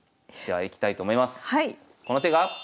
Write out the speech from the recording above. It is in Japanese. はい。